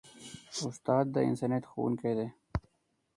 استاد د انسانیت ښوونکی دی.